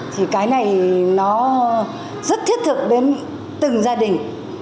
thì cái này nó rất thiết thực đến từng gia đình